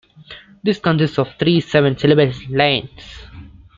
This consists of three seven-syllable lines.